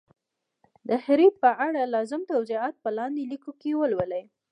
د هري ي په اړه لازم توضیحات په لاندي لیکو کي ولولئ